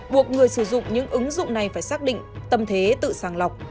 buộc người sử dụng những ứng dụng này phải xác định tâm thế tự sàng lọc